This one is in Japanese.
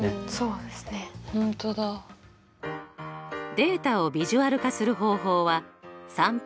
データをビジュアル化する方法は散布